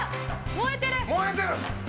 燃えてる！